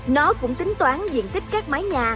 nó cũng tính toán diện tích các mái nhà